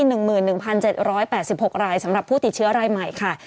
อยู่ที่๑๑๗๘๖รายสำหรับผู้ติดเชื้อรายใหม่ค่ะ